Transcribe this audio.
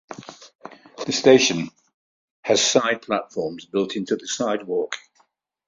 The station has side platforms built into the sidewalk.